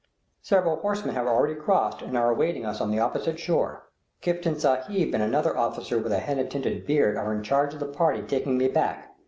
Several horsemen have already crossed and are awaiting us on the opposite shore. Kiftan Sahib and another officer with a henna tinted beard are in charge of the party taking me back.